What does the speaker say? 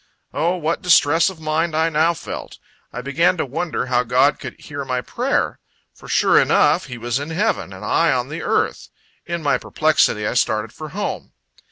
O, what distress of mind I now felt! I began to wonder how God could hear my prayer; for, sure enough, He was in heaven, and I on the earth. In my perplexity, I started for home.